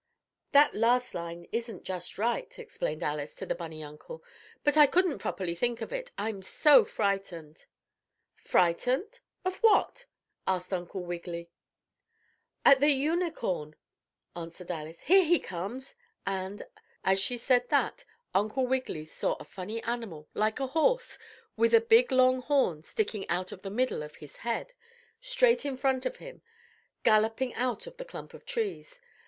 "That last line isn't just right," explained Alice to the bunny uncle, "but I couldn't properly think of it, I'm so frightened!" "Frightened? At what?" asked Uncle Wiggily. "At the Unicorn," answered Alice. "Here he comes," and, as she said that, Uncle Wiggily saw a funny animal, like a horse, with a big long horn sticking out of the middle of his head, straight in front of him, galloping out of the clump of trees.